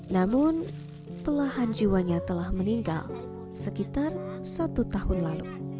namun pelahan jiwanya telah meninggal sekitar satu tahun lalu